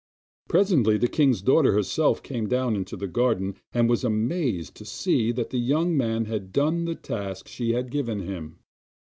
Presently the king's daughter herself came down into the garden, and was amazed to see that the young man had done the task she had given him.